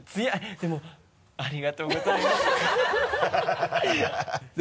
でもありがとうございます。